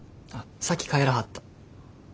あっ先帰らはった。